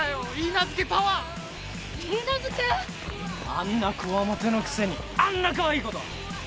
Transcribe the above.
あんなこわもてのくせにあんなカワイイ子と。